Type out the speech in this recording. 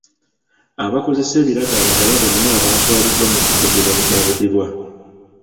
Abakozesa ebiragalalagala bonna baatwaliddwa mu kifo gye babudaabudirwa.